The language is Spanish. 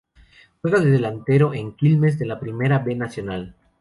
Juega de delantero en Quilmes, de la Primera B Nacional.